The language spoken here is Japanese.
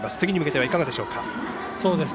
次に向けてはいかがでしょうか。